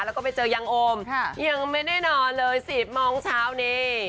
แล้วก็ไปเจอยังโอมยังไม่ได้นอนเลย๑๐โมงเช้านี้